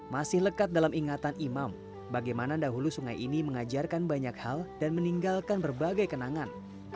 masih lekat dalam ingatan imam bagaimana dahulu sungai ini mengajarkan banyak hal dan meninggalkan berbagai kenangan